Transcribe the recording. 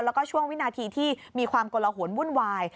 แล้วก็ช่วงวินาทีที่มีความกลหนวุ่นวาย